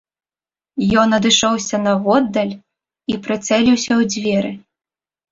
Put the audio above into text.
Ён адышоўся наводдаль і прыцэліўся ў дзверы.